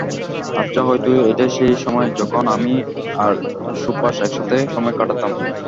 আচ্ছা, হয়তো এটা সেই সময় যখন আমি আর সুপস একসাথে সময় কাটাতাম।